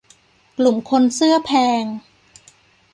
กลุ่มคนเสื้อแพง